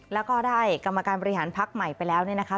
แล้วก็ได้กรรมการบริหารพักใหม่ไปแล้วเนี่ยนะคะ